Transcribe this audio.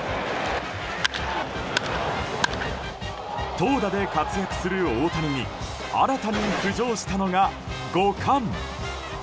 投打で活躍する大谷に新たに浮上したのが５冠。